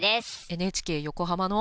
ＮＨＫ横浜の。